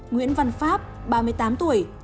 nguyễn văn pháp ba mươi tám tuổi